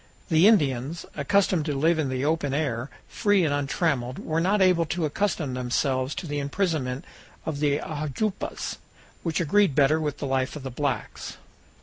The Indians, accustomed to live in the open air, free and untrammeled, were not able to accustom themselves to the imprisonment of the ajoupas, which agreed better with the life of the blacks.